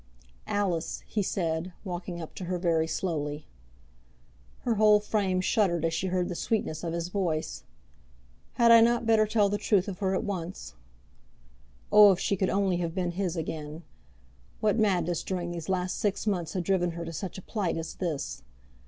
"Alice," he said, walking up to her very slowly. Her whole frame shuddered as she heard the sweetness of his voice. Had I not better tell the truth of her at once? Oh, if she could only have been his again! What madness during these last six months had driven her to such a plight as this!